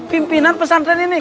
pimpinan pesantren ini